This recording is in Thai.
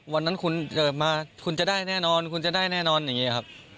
วันนั้นคุณเกิดมาคุณจะได้แน่นอนคุณจะได้แน่นอนอย่างนี้ครับ